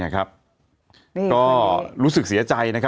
ก็รู้สึกเสียใจ